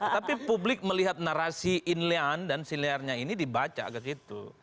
tapi publik melihat narasi inline dan silianya ini dibaca agak gitu